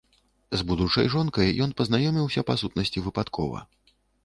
З будучай жонкай ён пазнаёміўся па сутнасці выпадкова.